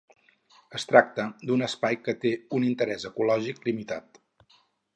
Es tracta d'un espai que té un interès ecològic limitat.